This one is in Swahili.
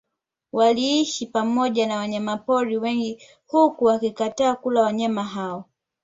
Waliishi pamoja na wanyama pori wengi huku wakikataa kula wanyama hao